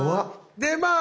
でまあ